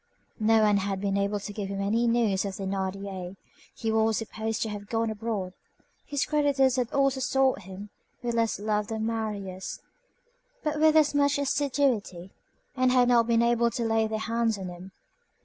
No one had been able to give him any news of Thénardier: he was supposed to have gone abroad. His creditors had also sought him, with less love than Marius, but with as much assiduity, and had not been able to lay their hands on him.